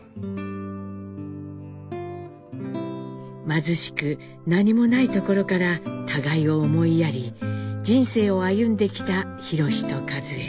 貧しく何もないところから互いを思いやり人生を歩んできた弘史と和江。